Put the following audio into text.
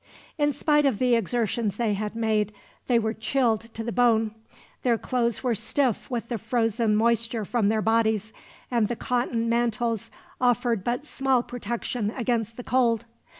In spite of the exertions they had made, they were chilled to the bone. Their clothes were stiff with the frozen moisture from their bodies, and the cotton mantles offered but small protection against the cold.